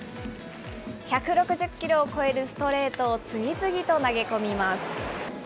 １６０キロを超えるストレートを次々と投げ込みます。